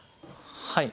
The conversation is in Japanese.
はい。